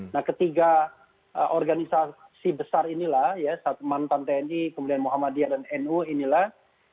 nah ketiga organisasi besar inilah ya mantan tni kemudian muhammadiyah dan nu inilah